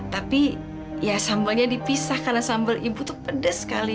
tapi ya sambalnya dipisah karena sambal ibu tuh pedas sekali